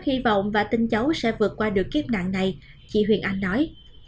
hy vọng và tin cháu sẽ vượt qua được kiếp nạn này chị huyền anh nói